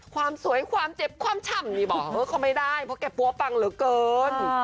ความสวยความเจ็บความฉ่ำนี่บอกเบอร์เขาไม่ได้เพราะแกปั๊วปังเหลือเกิน